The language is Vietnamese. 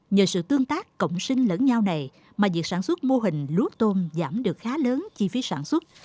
nhờ sự tương tác cộng sinh lẫn nhau này mà việc sản xuất mô hình lúa tôm giảm được khá lớn chi phí sản xuất